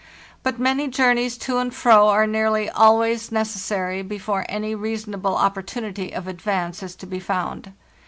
But many journeys to and fro are nearly always nec essary before any reasonable opportunity of advance is to be found.